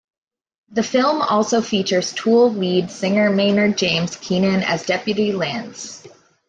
The film also features Tool lead singer Maynard James Keenan as Deputy Lance.